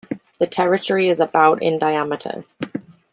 The territory is about in diameter.